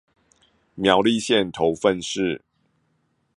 苗栗縣頭份市